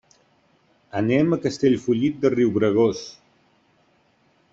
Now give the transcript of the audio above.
Anem a Castellfollit de Riubregós.